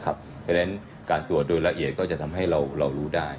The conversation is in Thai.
เพราะฉะนั้นการตรวจโดยละเอียดก็จะทำให้เรารู้ได้